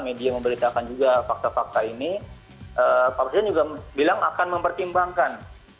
media memberitakan juga fakta fakta ini pak presiden juga bilang akan mempertimbangkan